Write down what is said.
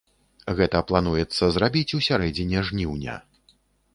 Гэта плануецца зрабіць у сярэдзіне жніўня.